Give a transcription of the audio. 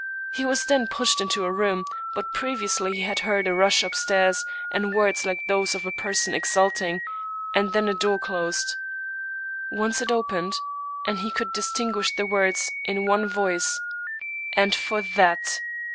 He was then pushed into a room ; but previously he had heard a rush upstairs, and words like tiiose of a person exulting, and then a door closed. Once it opened, and he could distinguish the words, in one voice, " And for that!